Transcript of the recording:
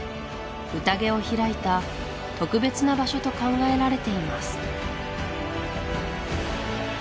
宴をひらいた特別な場所と考えられています